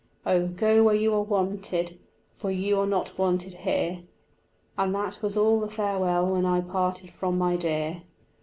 Oh, go where you are wanted, for you are not wanted here." _ And that was all the farewell when I parted from my dear.